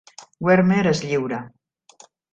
Wermeer es lliura.